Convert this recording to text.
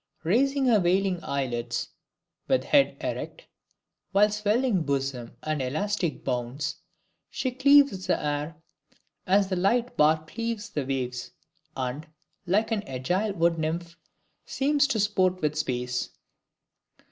Raising her veiling eyelids, with head erect, with swelling bosom and elastic bounds, she cleaves the air as the light bark cleaves the waves, and, like an agile woodnymph, seems to sport with space.